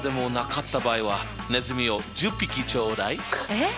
えっ？